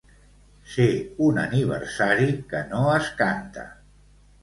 Ser un aniversari que no es canta.